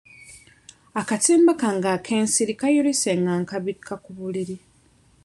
Akatimba kange ak'ensiri kayulise nga nkabikka ku buliri.